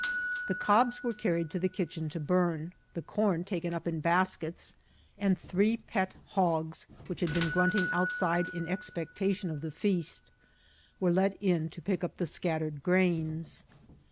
The cobs were carried to the kitchen to bum, the corn taken up in baskets, and three pet hogs, which had been grunt ing outside in expectation of the feast, were let in to pick up the scattered grains.